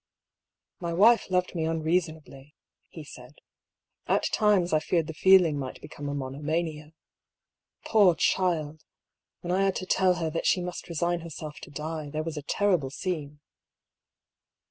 " My wife loved me unreasonably," he said. " At times I feared the feeling might become a monomania. Poor child ! when I had to tell her that she must resign herself to die, there was a terrible scene."